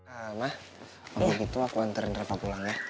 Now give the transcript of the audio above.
emang begitu aku anterin reva pulang ya